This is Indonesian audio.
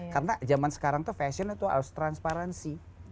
karena zaman sekarang fashion itu harus transparansi